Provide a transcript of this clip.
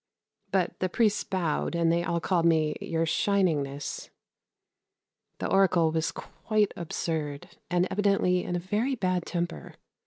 But the priests bowed, and they all called me, "your Shiningness." The Oracle was quite absurd, and evidently in a very bad temper.